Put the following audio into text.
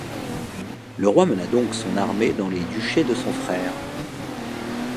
Le roi mena donc son armée dans les duchés de son frère.